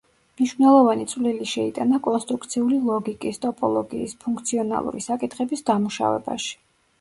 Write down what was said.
მნიშვნელოვანი წვლილი შეიტანა კონსტრუქციული ლოგიკის, ტოპოლოგიის, ფუნქციონალური საკითხების დამუშავებაში.